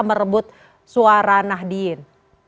merebut suara nahdin